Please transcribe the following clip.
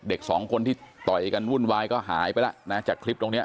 เด็กสองคนที่ต่อยกันวุ่นวายก็หายไปแล้วนะจากคลิปตรงเนี้ย